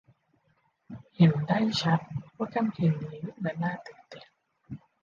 เห็นได้ชัดว่าค่ำคืนนี้นั้นน่าตื่นเต้น